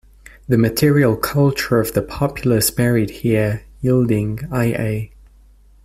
The material culture of the populace buried here, yielding i.a.